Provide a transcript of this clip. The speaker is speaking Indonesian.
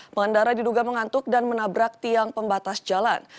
pengendara diduga mengantuk dan menabrak tiang pembatas jalan